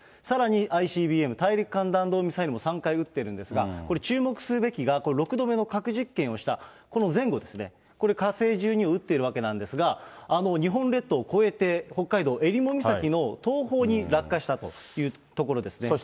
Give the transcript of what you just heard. さらにＩＣＢＭ・大陸間弾道ミサイルも３回打ってるんですが、これ、注目するべきが、これ、６度目の核実験をした、この前後ですね、これ、火星１２を打ってるわけなんですが、日本列島を超えて、北海道襟裳岬の東方に落下したというところですね。